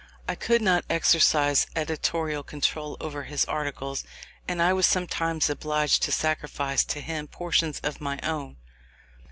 I could not exercise editorial control over his articles, and I was sometimes obliged to sacrifice to him portions of my own.